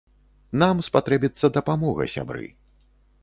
Нам спатрэбіцца дапамога, сябры.